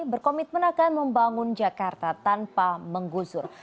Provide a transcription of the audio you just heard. berkomitmen akan membangun jakarta tanpa menggusur